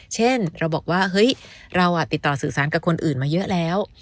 เช่นเราบอกว่าเฮ้ยเราติดต่อสื่อสารกับคนอื่นมาเยอะแล้ว